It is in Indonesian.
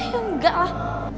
ya enggak lah